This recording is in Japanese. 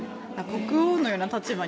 国王のような立場